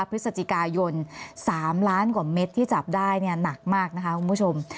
พฤศจิกายน๓ล้านกว่าเม็ดที่จับได้เนี่ยหนักมากนะคะคุณผู้ชม